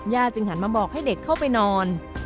จึงหันมาบอกให้เด็กเข้าไปนอน